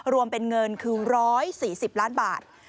รวมเป็นเงินคือ๑๔๐ล้านบาท